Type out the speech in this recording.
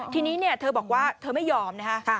ทีนี้เธอบอกว่าเธอไม่ยอมนะคะ